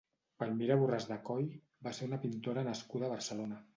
Palmira Borràs de Coll va ser una pintora nascuda a Barcelona.